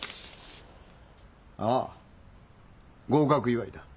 ああ合格祝だ。